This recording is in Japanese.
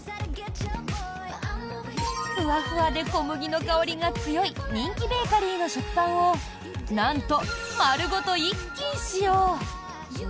ふわふわで小麦の香りが強い人気ベーカリーの食パンをなんと、まるごと１斤使用。